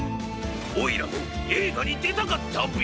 おいらもえいがにでたかったビ。